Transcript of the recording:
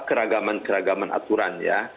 keragaman keragaman aturan ya